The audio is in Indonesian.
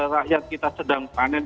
rakyat kita sedang panen